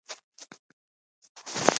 هېواد د سیاست ډګر دی.